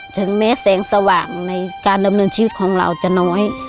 ถึงแม้แสงสว่างในการดำเนินชีวิตของเราจะน้อย